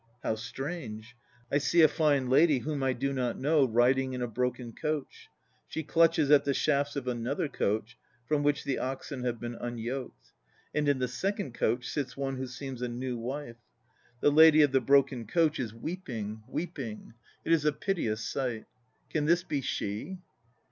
How strange! I see a fine lady whom I do not know riding in a broken coach. She clutches at the shafts of another coach from \vhi<h the oxen have been unyoked. And in the second coach sits one who seems a new wife. 3 The lady of the broken coach is weep ing, weeping. It is a piteous sight. Can this be she?